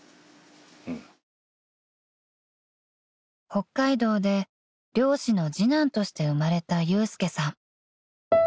［北海道で漁師の次男として生まれた祐介さん］